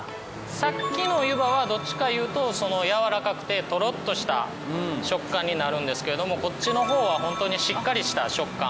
さっきの湯葉はどっちかいうとやわらかくてトロッとした食感になるんですけれどもこっちの方はホントにしっかりした食感。